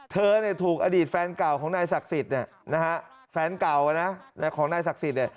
เธอถูกอดีตแฟนเก่าของนายศักดิ์สิทธิ์